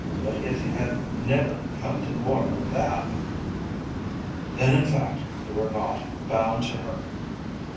But it had never come to more than that." "Then in fact you are not bound to her."